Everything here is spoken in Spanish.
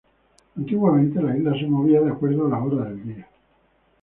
Antiguamente la isla se movía de acuerdo a la hora del día.